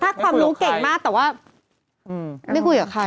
ถ้าความรู้เก่งมากแต่ว่าไม่คุยกับใคร